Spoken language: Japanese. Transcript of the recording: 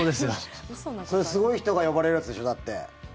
それ、すごい人が呼ばれるやつでしょ？だって。